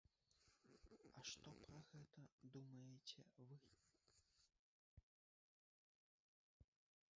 А што пра гэта думаеце вы?